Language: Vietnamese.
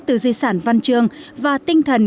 từ di sản văn chương và tinh thần